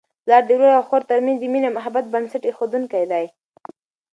پلار د ورور او خور ترمنځ د مینې او محبت بنسټ ایښودونکی دی.